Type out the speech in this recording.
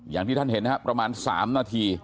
อย่างที่ท่านเห็นนะครับประมาณ๓นาที